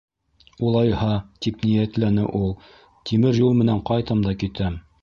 —Улайһа, —тип ниәтләне ул, —тимер юл менән ҡайтам да китәм.